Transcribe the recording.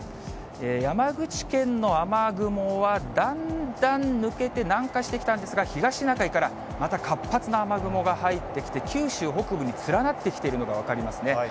山口県の雨雲は、だんだん抜けて、南下してきたんですが、東シナ海からまた活発な雨雲が入ってきて、九州北部に連なってきているのが分かりますね。